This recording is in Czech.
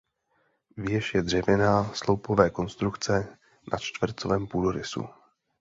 Věž je dřevěná sloupové konstrukce na čtvercovém půdorysu.